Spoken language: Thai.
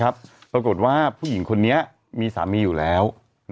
ปรากฏว่าผู้หญิงคนนี้มีสามีอยู่แล้ว